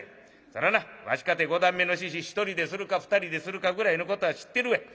そらなわしかて五段目の猪１人でするか２人でするかぐらいのことは知ってるわい。